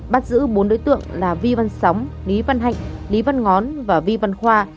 bắt giữ bốn đối tượng là vi văn sóng lý văn hạnh lý văn ngón và vi văn khoa